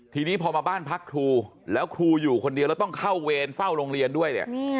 ทีนี้พอมาบ้านพักครูแล้วครูอยู่คนเดียวแล้วต้องเข้าเวรเฝ้าโรงเรียนด้วยเนี่ย